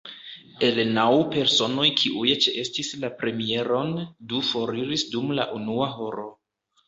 El naŭ personoj kiuj ĉeestis la premieron, du foriris dum la unua horo.